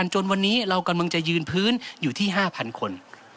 จนวันนี้เรากำลังจะยืนพื้นอยู่ที่๕๐๐คน